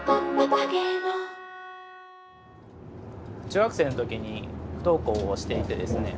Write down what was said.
中学生の時に不登校をしていてですね。